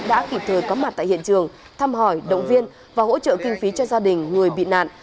đã kịp thời có mặt tại hiện trường thăm hỏi động viên và hỗ trợ kinh phí cho gia đình người bị nạn